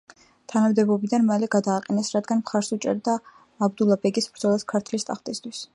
თანამდებობიდან მალე გადააყენეს, რადგან მხარს უჭერდა აბდულა-ბეგის ბრძოლას ქართლის ტახტისათვის.